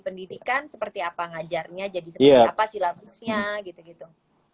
pendidikan seperti apa ngajarnya jadi seperti apa silabusnya gitu gitu